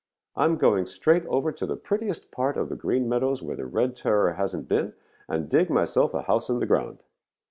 I'm going straight over to the prettiest part of the Green Meadows where the Red Terror hasn't been and dig myself a house in the ground.